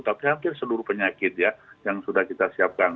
tapi hampir seluruh penyakit ya yang sudah kita siapkan